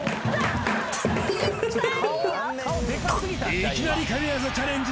いきなり神業チャレンジ